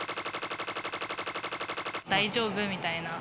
大丈夫みたいな。